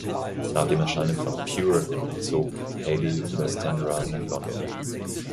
Nach dem Erscheinen von "Pure" zog Hayley Westenra nach London.